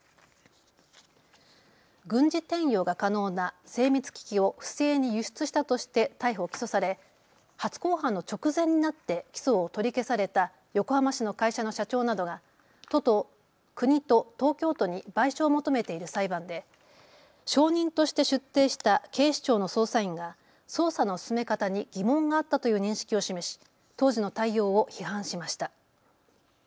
軍事転用が可能な精密機器を不正に輸出したとして逮捕・起訴され初公判の直前になって起訴を取り消された横浜市の会社の社長などが国と東京都に賠償を求めている裁判で証人として出廷した警視庁の捜査員が捜査の進め方に疑問があったという認識を示し当時の対応を批判しました。